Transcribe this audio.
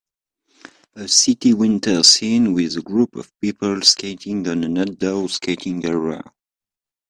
A city winter scene with a group of people skating on an outdoor skating area.